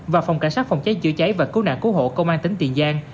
và phòng cảnh sát phòng cháy chữa cháy và cứu nạn cứu hộ công an tỉnh tiền giang